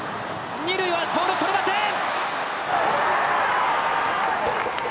二塁は、ボール捕れません。